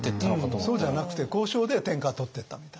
そうじゃなくて交渉で天下を取ってったみたい。